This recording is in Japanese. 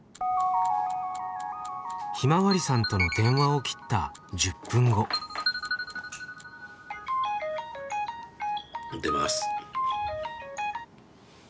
ひまわりさんとの電話を切った出ます。